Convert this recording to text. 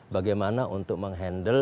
bagaimana untuk meng handle untuk mencegah